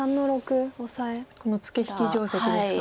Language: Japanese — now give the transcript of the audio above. このツケ引き定石ですか。